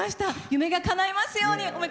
夢がかないますように。